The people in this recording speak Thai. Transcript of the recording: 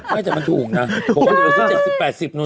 ไม่แต่มันถูกนะถูกก็จะรู้สึก๗๐๘๐นู่น